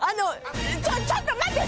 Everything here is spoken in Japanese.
ちょちょっと待って！